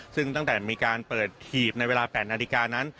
ซึ่งตั้งแต่มีการเปิดหีบในเวลา๘นาฬิกานั้น